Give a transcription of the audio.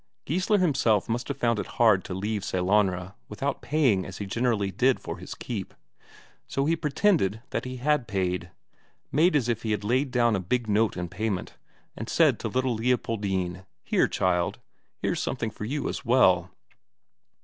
Geissler himself must have found it hard to leave Sellanraa without paying as he generally did for his keep; so he pretended that he had paid; made as if he had laid down a big note in payment, and said to little Leopoldine: "Here, child, here's something for you as well."